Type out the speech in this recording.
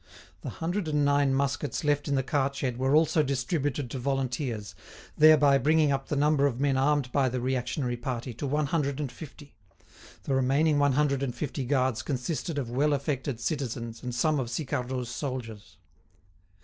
The hundred and nine muskets left in the cart shed were also distributed to volunteers, thereby bringing up the number of men armed by the reactionary party to one hundred and fifty; the remaining one hundred and fifty guards consisted of well affected citizens and some of Sicardot's soldiers.